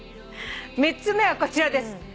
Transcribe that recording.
３つ目はこちらです。